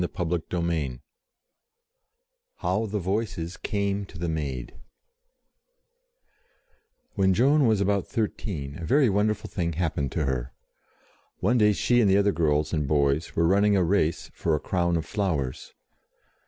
CHAPTER II HOW THE VOICES CAME TO THE MAID WHEN Joan was about thirteen a very wonderful thing happened to her. One day she and the other girls and boys were running a race for a crown of flowers.